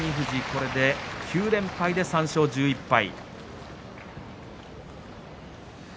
これで９連敗で３勝１１敗。